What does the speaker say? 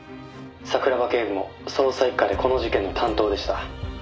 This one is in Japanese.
「桜庭警部も捜査一課でこの事件の担当でした」